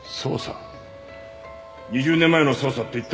２０年前の捜査って一体。